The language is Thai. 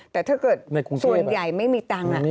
แต่ถ้าเกิดส่วนใหญ่ไม่มีตังค์